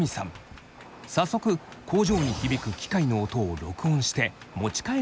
早速工場に響く機械の音を録音して持ち帰ることにしました。